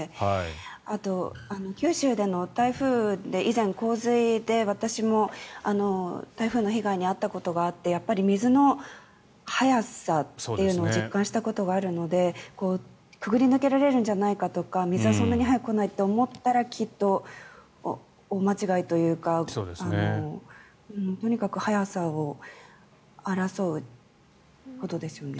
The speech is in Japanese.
あと、九州での台風で以前、洪水で私も台風の被害に遭ったことがあって水の速さを実感したことがあるのでくぐり抜けられるんじゃないかとか水はそんなに速く来ないって思ったらきっと大間違いというかとにかく速さを争うことですよね。